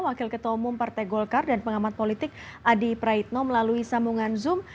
wakil ketua umum partai golkar dan pengamat politik adi praitno melalui sambungan zoom